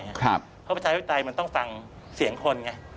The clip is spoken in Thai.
เพราะประชาธิปไตยมันต้องฟังเสียงคนไง